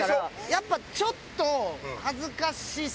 やっぱちょっと。